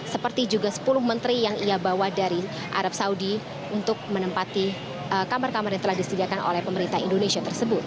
seperti juga sepuluh menteri yang ia bawa dari arab saudi untuk menempati kamar kamar yang telah disediakan oleh pemerintah indonesia tersebut